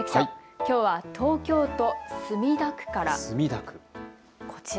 きょうは東京都墨田区から。